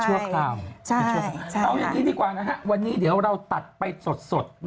เอาอย่างนี้ดีกว่านะฮะวันนี้เดี๋ยวเราตัดไปสด